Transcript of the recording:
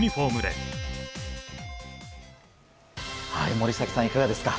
森崎さん、いかがですか？